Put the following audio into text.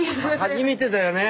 初めてだよね？